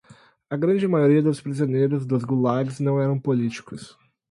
A grande maioria dos prisioneiros dos gulags não eram políticos